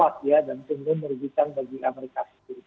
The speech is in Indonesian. dan tentu merugikan bagi amerika